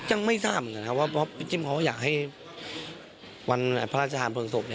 ยังไม่ทราบเหมือนกันครับเพราะว่าพี่จิ้มอยากให้วันพระราชาธารณ์พลังศพ